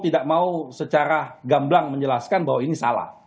tidak mau secara gamblang menjelaskan bahwa ini salah